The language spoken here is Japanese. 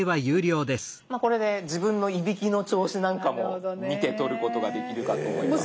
これで自分のいびきの調子なんかも見て取ることができるかと思います。